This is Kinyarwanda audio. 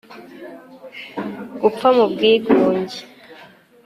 Gupfa mu bwigunge